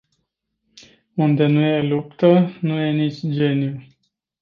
Unde nu e luptă, nu e nici geniu.